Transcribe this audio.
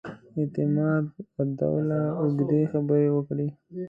اعتماد الدوله اوږدې خبرې وکړې.